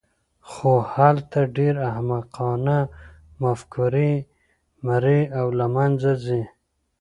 خو هلته ډېرې احمقانه مفکورې مري او له منځه ځي.